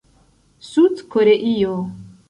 Sud Koreio